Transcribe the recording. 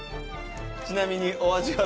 「ちなみにお味は？」